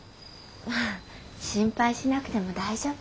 心配しなくても大丈夫よ。